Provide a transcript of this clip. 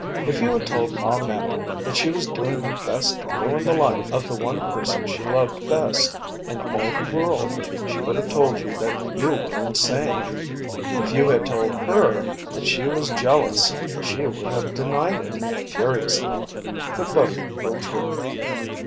If you had told Ma Mandle that she was doing her best to ruin the life of the one person she loved best in all the world she would have told you that you were insane. If you had told her that she was jealous she would have denied it, furiously. But both were true.